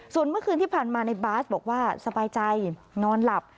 ส่วนเมื่อคืนที่ผ่านมาในบาสบอกว่าสบายใจนอนหลับ